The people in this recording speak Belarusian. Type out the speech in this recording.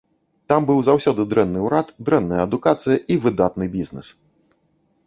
Там быў заўсёды дрэнны ўрад, дрэнная адукацыя і выдатны бізнэс.